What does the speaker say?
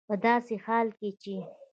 په داسې حال کې چې